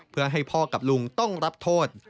เพื่อให้พ่อกับลุงต้องรับโทษ